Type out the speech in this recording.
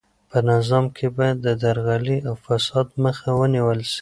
په نظام کې باید د درغلۍ او فساد مخه ونیول سي.